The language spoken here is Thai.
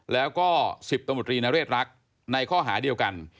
แล้วก็๑๐ตำรวจรีนเรศรักในข้อหาเดียวกัน